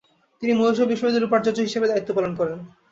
তিনি মহীশূর বিশ্ববিদ্যালয়ের উপাচার্য হিসেবে দায়িত্ব পালন করেন।